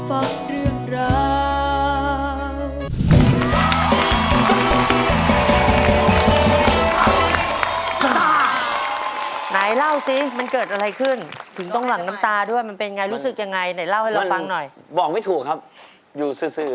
ไหนเล่าให้เราฟังหน่อยบอกไม่ถูกครับอยู่สื่อ